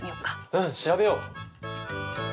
うん調べよう！